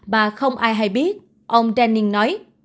mà không ai hay biết ông denning nói